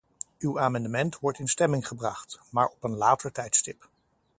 Uw amendement wordt in stemming gebracht, maar op een later tijdstip.